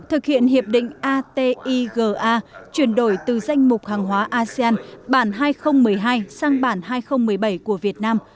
thực hiện hiệp định atiga chuyển đổi từ danh mục hàng hóa asean bản hai nghìn một mươi hai sang bản hai nghìn một mươi bảy của việt nam